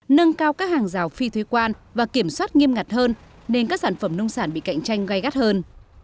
nâng cao các hàng rào phi thuế quan và kiểm soát nghiêm ngặt hơn nên các sản phẩm nông sản bị cạnh tranh gai gắt hơn